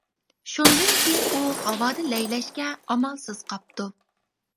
شۇندىن كىيىن ئۇ ھاۋادا لەيلەشكە ئامالسىز قاپتۇ.